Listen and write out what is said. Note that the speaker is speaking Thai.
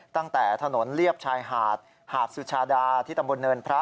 ตั้งแต่ถนนเลียบชายหาดหาบสุชาดาที่ตำบลเนินพระ